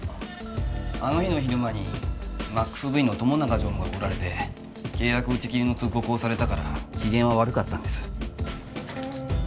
あの日の昼間にｍａｘＶの友永常務が来られて契約打ち切りの通告をされたから機嫌は悪かったんです